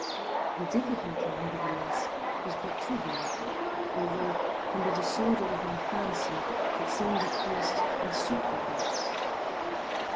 The difficulty, nevertheless, was but trivial; although, in the disorder of my fancy, it seemed at first insuperable.